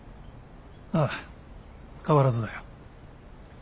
ああ変わらずだよ。